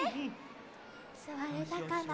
すわれたかな？